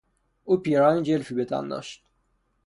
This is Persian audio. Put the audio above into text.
او پیراهن جلفی به تن داشت.